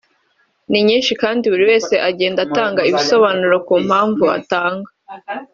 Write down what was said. ni nyinshi kandi buri wese agenda atanga ibisobanuro ku mpamvu atanga